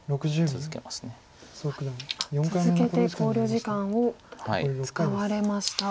続けて考慮時間を使われました。